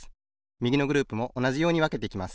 みぎのグループもおなじようにわけていきます。